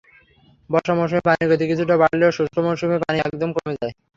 বর্ষা মৌসুমে পানির গতি কিছুটা বাড়লেও শুষ্ক মৌসুমে পানি একদম কমে যায়।